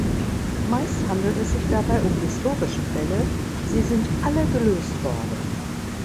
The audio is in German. Meist handelt es sich dabei um historische Fälle, sie sind alle gelöst worden.